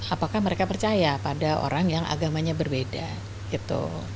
apakah mereka percaya pada orang yang agamanya berbeda gitu